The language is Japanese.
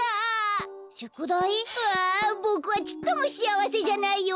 ああっボクはちっともしあわせじゃないよアゲルナー！